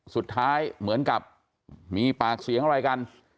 เหมือนกับมีปากเสียงอะไรกัน